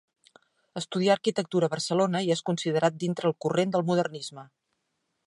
Estudià arquitectura a Barcelona i és considerat dintre el corrent del modernisme.